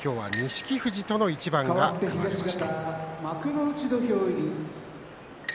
今日は錦富士との一番が組まれています。